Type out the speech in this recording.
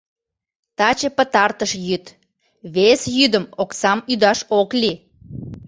Таче пытартыш йӱд, вес йӱдым оксам ӱдаш ок лий.